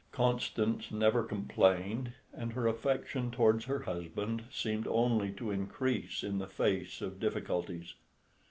Constance never complained, and her affection towards her husband seemed only to increase in the face of difficulties.